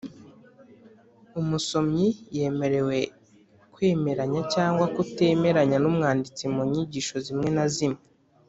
Umusomyi yemerewe kwemeranya cyangwa kutemeranya n’umwanditsi mu nyigisho zimwe na zimwe.